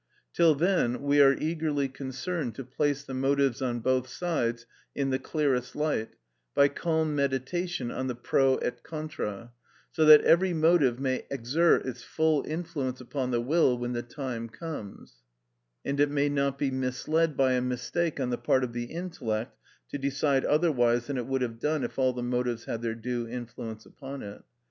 Till then we are eagerly concerned to place the motives on both sides in the clearest light, by calm meditation on the pro et contra, so that every motive may exert its full influence upon the will when the time arrives, and it may not be misled by a mistake on the part of the intellect to decide otherwise than it would have done if all the motives had their due influence upon it.